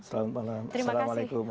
selamat malam assalamualaikum